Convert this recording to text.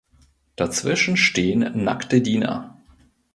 Dazwischen stehen nackte Diener.